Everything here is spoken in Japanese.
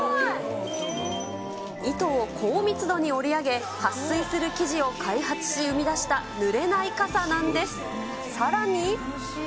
糸を高密度に織り上げ、はっ水する生地を開発し生み出したぬれない傘なんです。